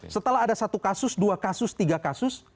setelah ada satu kasus dua kasus tiga kasus